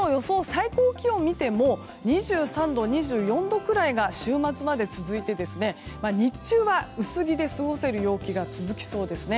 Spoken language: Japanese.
最高気温を見ても２３度、２４度くらいが週末まで続いて、日中は薄着で過ごせる陽気が続きそうですね。